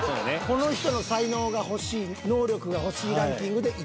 この人の才能が欲しい能力が欲しいランキングで１位。